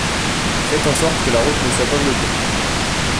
Faites en sorte que la route ne soit pas bloquée.